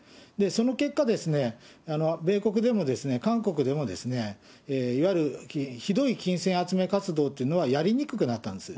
その結果、米国でも韓国でも、いわゆるひどい金銭集め活動っていうのはやりにくくなったんです。